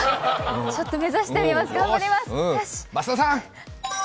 ちょっと目指してみます、頑張ります！